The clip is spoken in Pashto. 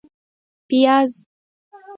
🧅 پیاز